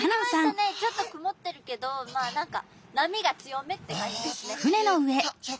ちょっとくもってるけどまあ何か波が強めって感じですね。